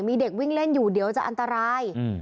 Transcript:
มีเด็กวิ่งเล่นอยู่เดี๋ยวจะอันตราย